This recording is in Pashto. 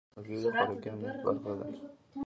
هګۍ د خوراکي امنیت برخه ده.